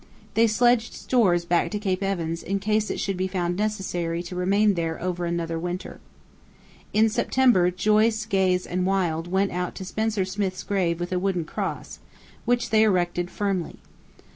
They sledged stores back to Cape Evans in case it should be found necessary to remain there over another winter. In September, Joyce, Gaze, and Wild went out to Spencer Smith's grave with a wooden cross, which they erected firmly.